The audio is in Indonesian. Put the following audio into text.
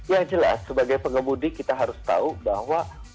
ya jelas sebagai pengemudi kita harus tahu bahwa